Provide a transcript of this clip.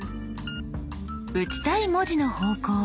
打ちたい文字の方向